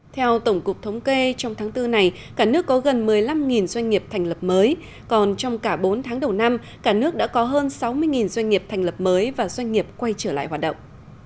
theo tổng cục thống kê trong tháng bốn này cả nước có gần một mươi năm doanh nghiệp thành lập mới còn trong cả bốn tháng đầu năm cả nước đã có hơn sáu mươi doanh nghiệp thành lập mới và doanh nghiệp quay trở lại hoạt động